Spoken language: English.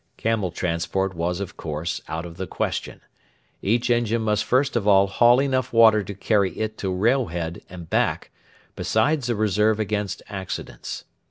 Camel transport was, of course, out of the question. Each engine must first of all haul enough water to carry it to Railhead and back, besides a reserve against accidents.